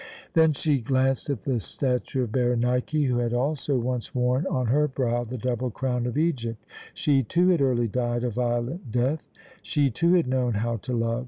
Then she glanced at the statue of Berenike, who had also once worn on her brow the double crown of Egypt. She, too, had early died a violent death; she, too, had known how to love.